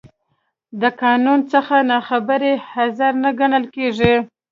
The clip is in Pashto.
د قانون څخه نا خبري، عذر نه ګڼل کېږي.